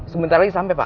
sebentar lagi sampai pak